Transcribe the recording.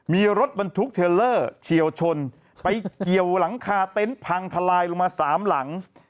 มีรถบรรทุกเทลเลอร์เฉียวชนไปเกี่ยวหลังคาเต็นต์พังทลายลงมาสามหลัง